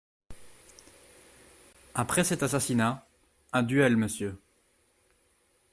Après cet assassinat … Un duel, monsieur.